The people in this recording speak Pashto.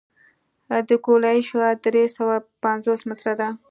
د ګولایي شعاع درې سوه پنځوس متره ده